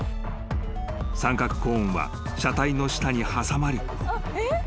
［三角コーンは車体の下に挟まり